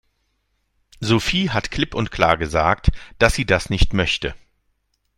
Sophie hat klipp und klar gesagt, dass sie das nicht möchte.